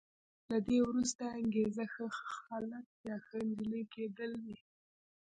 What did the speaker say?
له دې وروسته یې انګېزه ښه هلک یا ښه انجلۍ کېدل وي.